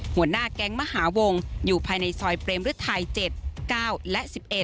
หัวหน้าแก๊งมหาวงอยู่ภายในซอยเปรมฤทัย๗๙และ๑๑